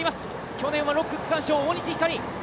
去年は６区区間賞・大西ひかり。